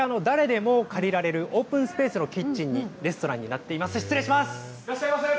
これ、誰でも借りられるオープンスペースのキッチンに、レストランになっています。